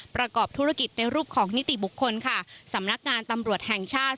ประกอบธุรกิจในรูปของนิติบุคคลค่ะสำนักงานตำรวจแห่งชาติ